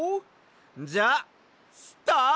じゃあスタート！